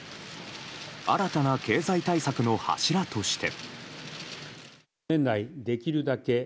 新たな経済対策の柱として。